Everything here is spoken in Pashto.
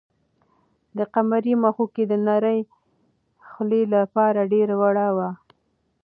د قمرۍ مښوکه د نري خلي لپاره ډېره وړه وه.